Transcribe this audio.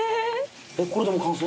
これでもう完成？